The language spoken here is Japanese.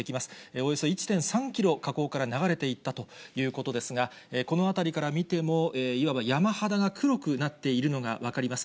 およそ１．３キロ火口から流れていったということですが、この辺りから見ても、いわば山肌が黒くなっているのが分かります。